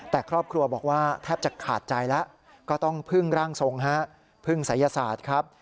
แต่ครอบครัวบอกว่าแทบจะขาดใจแล้วก็ต้องพึ่งร่างทรงฮะพึ่งศัยศาสตร์ครับ